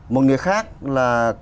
một người khác là